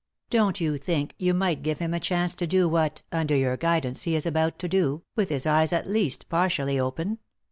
Don't you think you might give him a chance to do what, under your guidance, he is about to do, with his eyes at least partially open